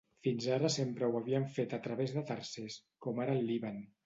Fins ara sempre ho havien fet a través de tercers, com ara al Líban.